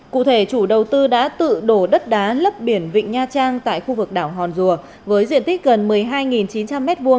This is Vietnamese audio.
cụ thể chủ đầu tư đã tự đổ đất đá lấp biển vịnh nha trang tại khu vực đảo hòn rùa với diện tích gần một mươi hai chín trăm linh m hai